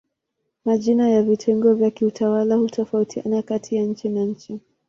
Majina ya vitengo vya kiutawala hutofautiana kati ya nchi na nchi.